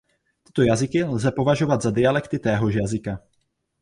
Tyto jazyky lze považovat za dialekty téhož jazyka.